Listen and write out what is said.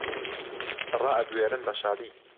ڕائەبوێرن بە شادی